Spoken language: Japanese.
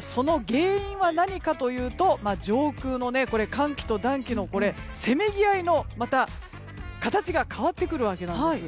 その原因は何かというと上空の寒気と暖気のせめぎあいの形がまた変わってくるんです。